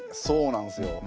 そうなんすよ。